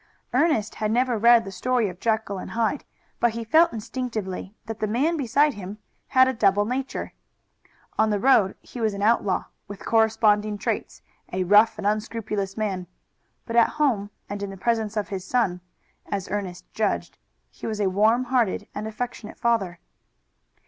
Ernest had never read the story of Jekyll and Hyde, but he felt instinctively that the man beside him had a double nature. On the road he was an outlaw, with corresponding traits, a rough and unscrupulous man, but at home and in the presence of his son, as Ernest judged, he was a warm hearted and affectionate father.